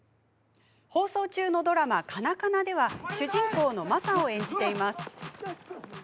放送中のドラマ「カナカナ」では主人公のマサを演じています。